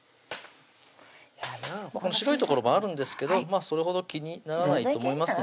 白い所もあるんですけどそれほど気にならないと思います